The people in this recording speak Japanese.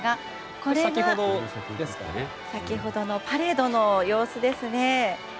これが先ほどのパレードの様子ですね。